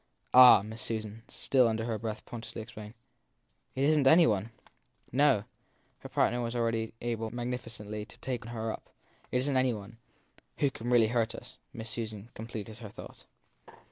Ah, Miss Susan, still under her breath, portentously exclaimed, it isn t any one ! No her partner was already able magnificently to take her up. It isn t any one Who can really hurt us Miss Susan completed her thought.